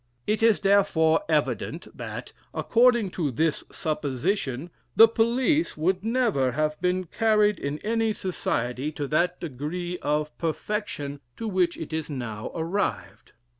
It is therefore evident that, according to this supposition, the police would never have been carried in any society to that degree of perfection, to which it is now arrived.